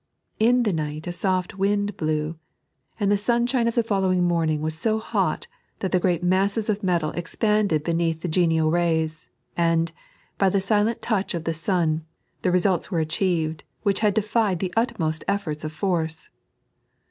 In the night a soft wind blew, and the sunshine of the following morning was bo hat that the great maeaea of metal expanded beneath the genial rays, and, by the silent touch of the sun, the results were achieved which had defied the utmost efibrta of force.